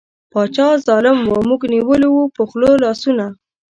باچا ظالیم وو موږ نیولي وو په خوله لاسونه